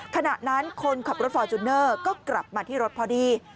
ขณะนั้นคนขับรถฟอร์จูเนอร์ก็กลับมาที่รถพอดี